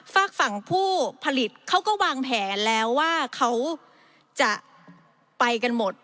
ฝากฝั่งผู้ผลิตเขาก็วางแผนแล้วว่าเขาจะไปกันหมด